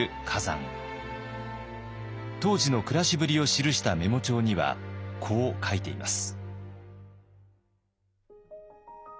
当時の暮らしぶりを記したメモ帳にはこう書いています。